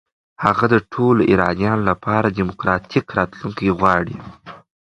هغه د ټولو ایرانیانو لپاره دموکراتیک راتلونکی غواړي.